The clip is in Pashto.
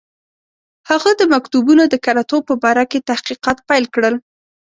هغه د مکتوبونو د کره توب په باره کې تحقیقات پیل کړل.